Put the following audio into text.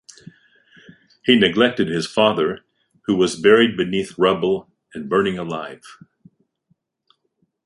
He neglected his father, who was buried beneath rubble and burning alive.